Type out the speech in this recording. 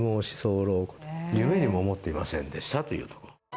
夢にも思っていませんでしたというとこ。